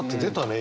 今。